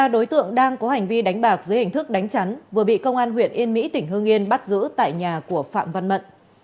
ba đối tượng đang có hành vi đánh bạc dưới hình thức đánh chặn vừa bị công an huyện yên mỹ tỉnh hương yên bắt giữ tại nhà của phạm văn mận